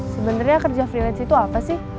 sebenarnya kerja freelance itu apa sih